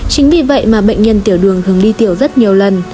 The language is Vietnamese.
chính vì vậy mà bệnh nhân tiểu đường thường đi tiểu rất nhiều lần